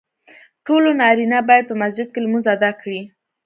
ټولو نارینه باید په مسجد کې لمونځ ادا کړي .